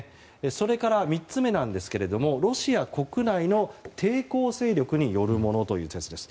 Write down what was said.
それから、３つ目なんですがロシア国内の抵抗勢力によるものという説です。